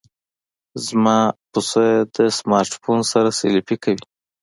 زما پسه د سمارټ فون سره سیلفي کوي.